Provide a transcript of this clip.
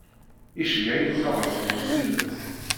Iceyyeɛ-iyi-d tabṛat wezzilet.